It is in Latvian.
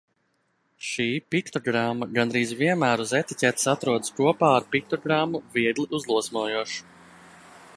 Šī piktogramma gandrīz vienmēr uz etiķetes atrodas kopā ar piktogrammu Viegli uzliesmojošs.